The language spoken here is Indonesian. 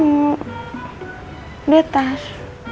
udah di atas